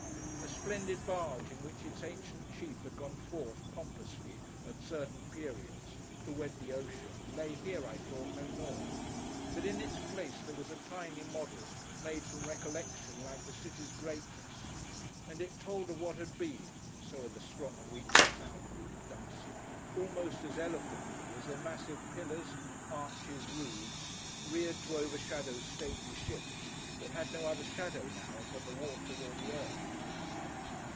A splendid barge in which its ancient chief had gone forth, pompously, at certain periods, to wed the ocean, lay here, I thought, no more; but, in its place, there was a tiny model, made from recollection like the city's greatness; and it told of what had been (so are the strong and weak confounded in the dust) almost as eloquently as the massive pillars, arches, roofs, reared to overshadow stately ships that had no other shadow now, upon the water or the earth.